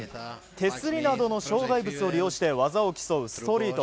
手すりなどの障害物を利用して技を競うストリート。